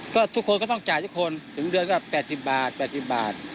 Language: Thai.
ก็ทุกคนก็ต้องจ่ายทุกคนถึงเดือนก็๘๐บาท๘๐บาท